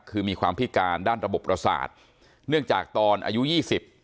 คือมีความพิการด้านระบบประสาทเนื่องจากตอนอายุยี่สิบ